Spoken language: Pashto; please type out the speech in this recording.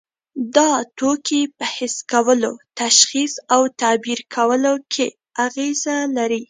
دا توکي په حس کولو، تشخیص او تعبیر کولو کې اغیزه لري.